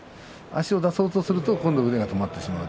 足を出そうとすると腕が止まってしまう。